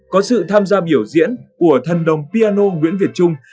có sự tham gia biểu diễn của thần đồng piano nguyễn việt trung